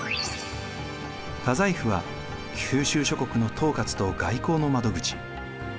大宰府は九州諸国の統括と外交の窓口。